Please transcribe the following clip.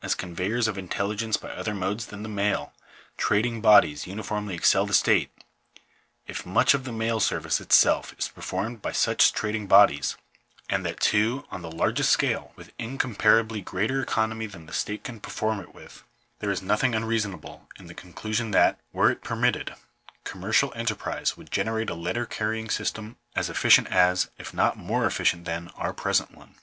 405 conveyers of intelligence by other modes than the mail, trading bodies uniformly excel the state — if much of the mail service itself is performed by such trading bodies, and that, too, on the largest scale, with incomparably greater economy than the state can perform it with — there is nothing unreasonable in the conclusion that, were it permitted, commercial enterprize would generate a letter carrying system as efficient as, if not more efficient than, our present one.